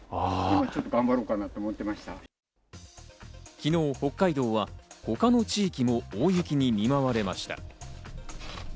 昨日、北海道は他の地域も大雪に見舞われました。